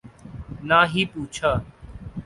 نہ ہی پوچھا